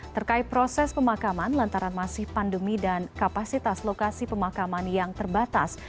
terkait proses pemakaman lantaran masih pandemi dan kapasitas lokasi pemakaman yang terbatas